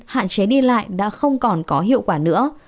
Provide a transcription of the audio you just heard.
hạn chế đi lại đã không còn có hiệu quả nữa